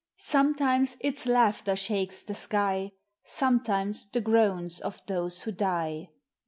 Sometimes its laughter shakos the sky. Sometimes the groans of those who die.